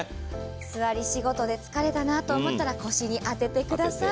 座り仕事で疲れたなと思ったら腰に当ててください。